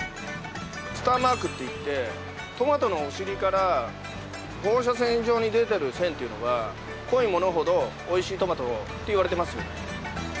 スターマークっていってトマトのお尻から放射線状に出てる線っていうのが濃いものほど美味しいトマトっていわれてますね。